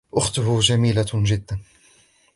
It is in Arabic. أخته جميلة جدا.